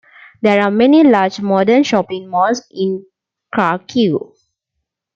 There are many large modern shopping malls in Kharkiv.